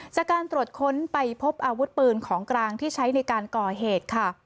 จากการตรวจค้นไปพบอาวุธปืนของกลางที่ใช้ในการก่อเหตุค่ะ